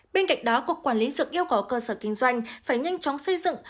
bên cạnh đó cục quản lý dược yêu cầu cơ sở kinh doanh phải nhanh chóng xây dựng